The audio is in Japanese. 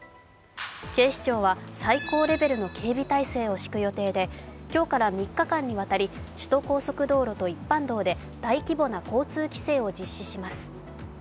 警視庁は最高レベルの警備体制を敷く予定で、今日から３日間にわたり首都高速道路と一般道で大規模な交通規制を実施します。